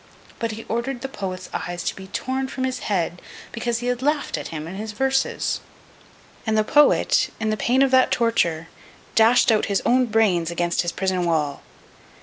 But he ordered the poet's eyes to be torn from his head, because he had laughed at him in his verses; and the poet, in the pain of that torture, dashed out his own brains against his prison wall.